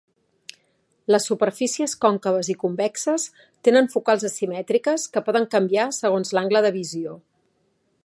Les superfícies còncaves i convexes tenen focals asimètriques que poden canviar segons l'angle de visió.